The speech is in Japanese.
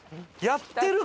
やってる？